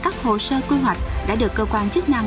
bộ sơ quy hoạch đã được cơ quan chức năng